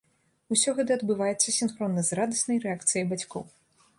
Усё гэта адбываецца сінхронна з радаснай рэакцыяй бацькоў.